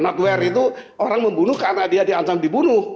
orang membunuh karena dia di ancam dibunuh